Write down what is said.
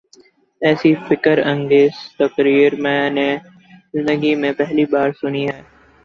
ایسی فکر انگیز تقریر میں نے زندگی میں پہلی بار سنی ہے۔